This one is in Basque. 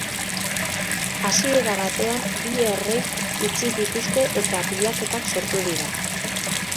Hasiera batean, bi errei itxi dituzte eta pilaketak sortu dira.